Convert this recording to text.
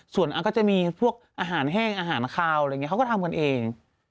ส่วนก็จะมีพวกอาหารแห้งอาหารคาวอะไรอย่างนี้เขาก็ทำกันเอง